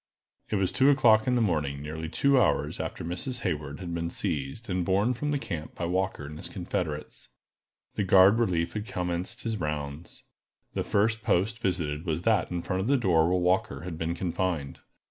_ IT was two o'clock in the morning, nearly two hours after Miss Hayward had been seized, and borne from the camp by Walker and his confederates. The guard relief had commenced his rounds. The first post visited was that in front of the door where Walker had been confined.